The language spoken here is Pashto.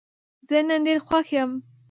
زه نن ډېر خوښ یم.